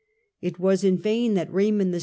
It was in vain that Kaymond VI.